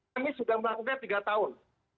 kami sudah melakukan tiga tahun